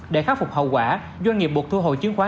để khắc phục hậu quả doanh nghiệp buộc thu hồi chứng khoán